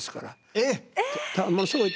えっ！